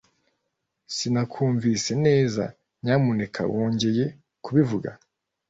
Sinakumvise neza. nyamuneka wongeye kubivuga?